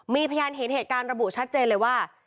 มีพยานเห็นเหตุการณ์ระบุชัดเจนเลยว่า